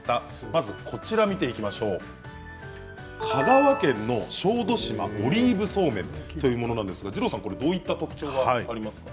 まず香川県の小豆島オリーブそうめんというものなんですがどういった特徴がありますか。